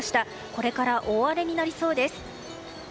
これから大荒れになりそうです。